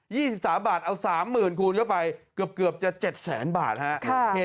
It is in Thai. ี่สิบสามบาทเอาสามหมื่นคูณเข้าไปเกือบเกือบจะเจ็ดแสนบาทฮะค่ะ